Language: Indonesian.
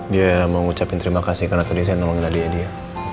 dia mau ngucapin terima kasih karena tadi saya nolongin adik adiknya